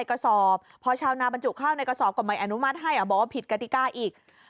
กระสอบพอชาวนาบรรจุข้าวในกระสอบก็ไม่อนุมัติให้บอกว่าผิดกติกาอีก